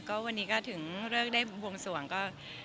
ก็วันนี้ก็ถึงเลิกได้บวงสวงก็